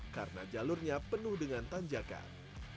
karena jalurnya penuh dengan tanjakan